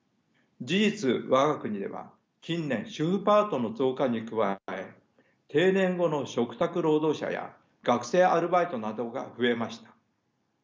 事実我が国では近年主婦パートの増加に加え定年後の嘱託労働者や学生アルバイトなどが増えました。